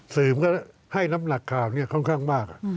ผมก็ให้น้ำหนักข่าวเนี่ยค่อนข้างมาก